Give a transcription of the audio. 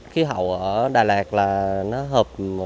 khí hậu ở đà lạt là nó hợp